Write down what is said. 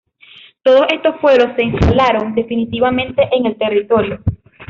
Todos estos pueblos se instalaron definitivamente en el territorio.